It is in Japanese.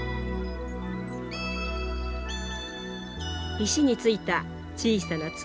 石についた小さな粒。